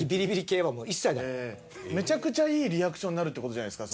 めちゃくちゃいいリアクションになるって事じゃないですか？